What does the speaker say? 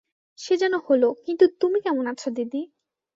সে যেন হল, কিন্তু তুমি কেমন আছ দিদি?